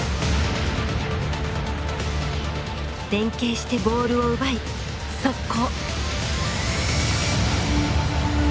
連係してボールを奪い速攻！